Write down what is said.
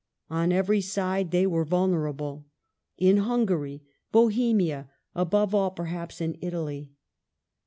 On every side they were vulnerable : in Hungary, Bohemia, above all, perhaps in Italy.